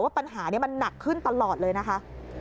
ปัญหานี้มันหนักขึ้นตลอดเลยนะคะ